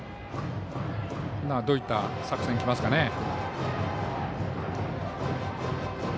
どういった作戦できますかね。